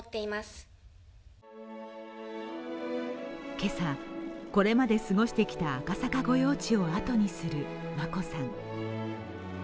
今朝、これまで過ごしてきた赤坂御用地を後にする眞子さん。